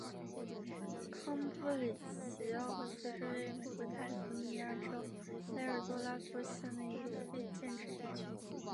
康布里奇奥克斯是位于美国加利福尼亚州埃尔多拉多县的一个非建制地区。